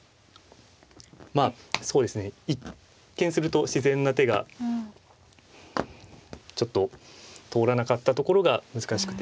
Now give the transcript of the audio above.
まあそうですね一見すると自然な手がちょっと通らなかったところが難しくて。